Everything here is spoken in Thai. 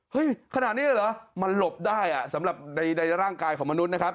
ขนาดนี้เลยเหรอมันหลบได้สำหรับในร่างกายของมนุษย์นะครับ